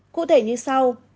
cụ thể như sau